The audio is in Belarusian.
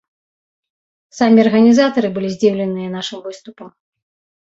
Самі арганізатары былі здзіўленыя нашым выступам.